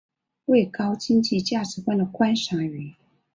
为高经济价值的观赏鱼。